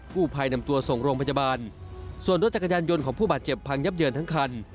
ผู้ภัยนำตัวส่งโรงพยาบาลส่วนรถจักรยานยนต์ของผู้บาดเจ็บพังยับเยินทั้งคัน